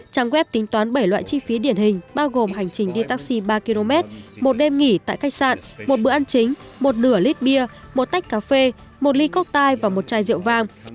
trang web tính toán bảy loại chi phí điển hình bao gồm hành trình đi taxi ba km một đêm nghỉ tại khách sạn một bữa ăn chính một nửa lít bia một tách cà phê một ly cốc tai và một chai rượu vang